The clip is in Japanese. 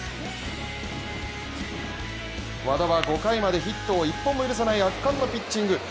和田は５回までヒットを１本も許さない圧巻のピッチング。